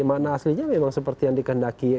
makna aslinya memang seperti yang dikendaki